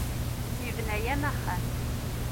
Yebna-am axxam.